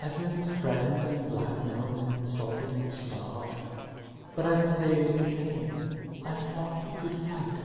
Ive been threatened and blackmailed and insulted and starved. But Ive played the game. Ive fought the good fight.